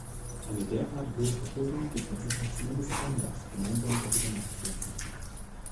Eine derart hohe Verschuldung gibt mit Sicherheit zumindest Anlass, gemeinsam darüber nachzudenken.